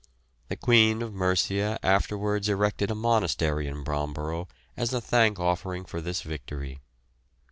The Queen of Mercia afterwards erected a monastery in Bromborough as a thank offering for this victory.